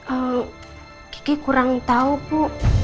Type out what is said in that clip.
ehm gigi kurang tau bu